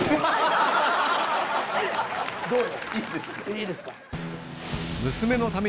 いいですね！